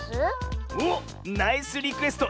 おっナイスリクエスト！